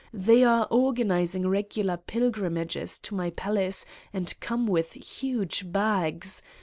They are organizing regular pil grimages to my palace and come with huge bags.